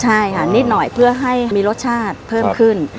ใช่ค่ะนิดหน่อยเพื่อให้มีรสชาติเพิ่มขึ้น